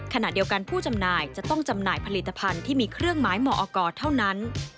ขณะเดียวกันผู้จำหน่ายจะต้องจำหน่ายผลิตภัณฑ์ที่มีเครื่องไม้หมอกเท่านั้น